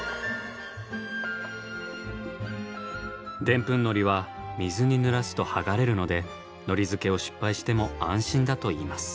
デンプンのりは水にぬらすと剥がれるのでのりづけを失敗しても安心だといいます。